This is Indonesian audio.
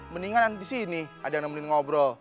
mendingan disini ada yang nemenin ngobrol